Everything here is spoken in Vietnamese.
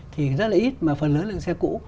thì rất là ít mà phần lớn là những xe cũ